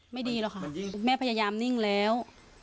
ไม่ดีหรอกค่ะแม่พยายามนิ่งแล้ว